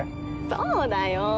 そうだよ。